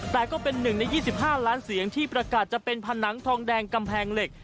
แต่ก็เป็น๑ใน๒๕ล้านเสียงที่ประกาศจะเป็นผนังทองแดงกำแพงเหล็ก